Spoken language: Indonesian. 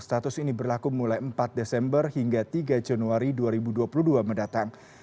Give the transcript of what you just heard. status ini berlaku mulai empat desember hingga tiga januari dua ribu dua puluh dua mendatang